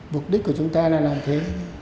mục đích của chúng ta là làm thế